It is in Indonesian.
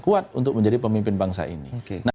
kuat untuk menjadi pemimpin bangsa ini